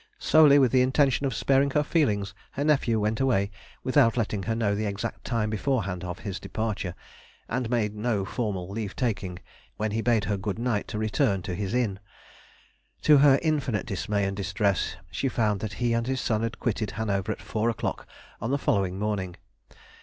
Solely with the intention of sparing her feelings, her nephew went away without letting her know the exact time beforehand of his departure, and made no formal leave taking, when he bade her good night to return to his inn. To her infinite dismay and distress, she found that he and his son had quitted Hanover at four o'clock on the following morning.